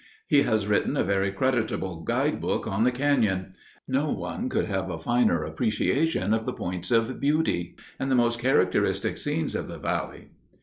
He has written a very creditable guidebook on the Canyon. No one could have a finer appreciation of the points of beauty, and the most characteristic scenes of the Valley.